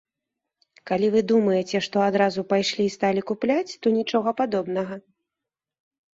Калі вы думаеце, што адразу пайшлі і сталі купляць, то нічога падобнага.